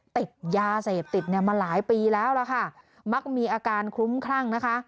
ติดยาเสพติดเนี่ยมาหลายปีแล้วล่ะค่ะมักมีอาการคลุ้มคลั่งนะคะ